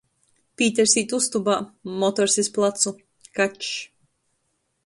Pīters īt ustobā, motors iz placu. Kačs.